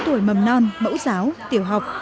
cháu nhỏ bình thường ở lối tuổi mầm non mẫu giáo tiểu học